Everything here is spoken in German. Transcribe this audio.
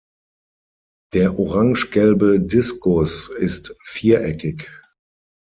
Der orange-gelbe Diskus ist viereckig.